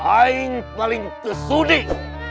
aing paling tersudik